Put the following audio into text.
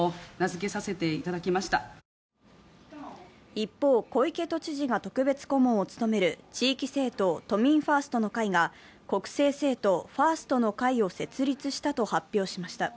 一方、小池都知事が特別顧問を務める地域政党・都民ファーストの会が国政政党・ファーストの会を設立したと発表しました。